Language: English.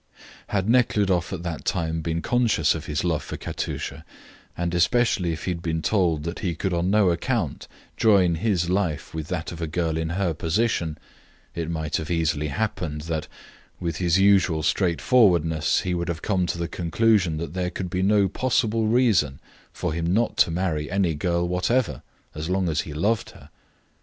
Had Nekhludoff at that time been conscious of his love for Katusha, and especially if he had been told that he could on no account join his life with that of a girl in her position, it might have easily happened that, with his usual straight forwardness, he would have come to the conclusion that there could be no possible reason for him not to marry any girl whatever, as long as he loved her.